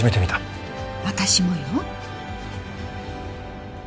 私もよ。